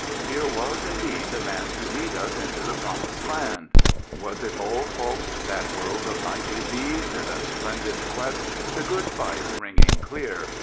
Here was indeed the man to lead us into the Promised Land. Was it all false, that world of knightly deeds, The splendid quest, the good fight ringing clear?